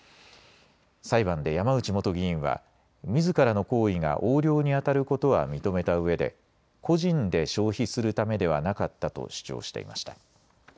裁判で山内元議員はみずからの行為が横領にあたることは認めたうえで個人で消費するためではなかったと主張していました。